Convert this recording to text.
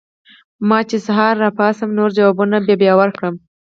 ما وې چې سحر راپاسم نور جوابونه به بیا ورکړم